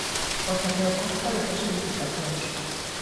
O terreo consta de tres edificacións.